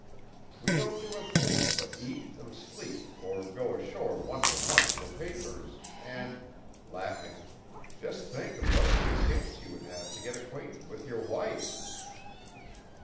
We don't do a thing but eat and sleep or go ashore once a month for papers, and" laughing "just think of what a good chance you would have to get acquainted with your wife!"